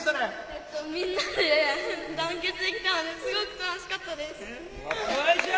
みんなで団結できたので、すごく楽しかったです。